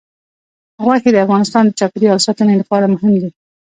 غوښې د افغانستان د چاپیریال ساتنې لپاره مهم دي.